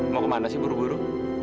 mau ke mana sih buru buru